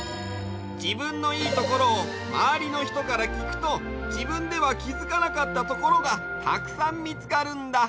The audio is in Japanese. じぶんのいいところをまわりのひとからきくとじぶんではきづかなかったところがたくさんみつかるんだ。